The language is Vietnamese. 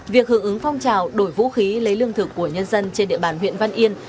việc hưởng ứng phong trào đổi vũ khí lấy lương thực của nhân dân trên địa bàn huyện văn yên